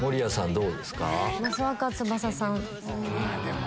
どうですか？